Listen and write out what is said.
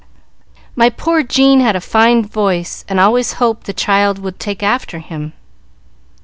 "My poor Jean had a fine voice, and always hoped the child would take after him.